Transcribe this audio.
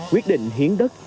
quyết định hiến đất